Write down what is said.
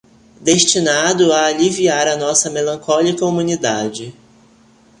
destinado a aliviar a nossa melancólica humanidade